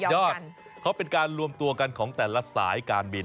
ยอดเขาเป็นการรวมตัวกันของแต่ละสายการบิน